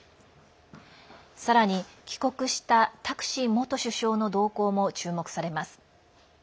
さらに、帰国したタクシン元首相の動向も注目されます。